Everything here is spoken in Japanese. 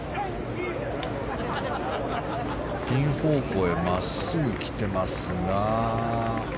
ピン方向へ真っすぐ来てますが。